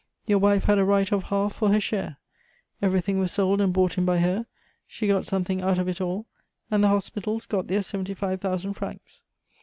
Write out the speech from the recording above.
Your wife had a right of half for her share. Everything was sold and bought in by her; she got something out of it all, and the hospitals got their seventy five thousand francs.